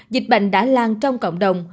dịch bệnh đã lan trong cộng đồng